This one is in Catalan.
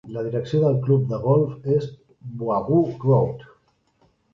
La direcció del club de golf és Wagoo Road.